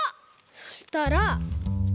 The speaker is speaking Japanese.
そしたら。